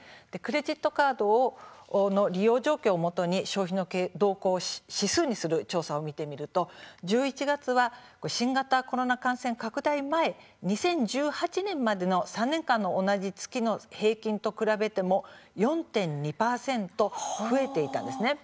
クレジットカードの利用情報をもとに消費の動向指数にする調査を見てみると１１月は新型コロナ感染拡大前２０１８年までの３年間の同じ月の平均と比べても４．２％増えていました。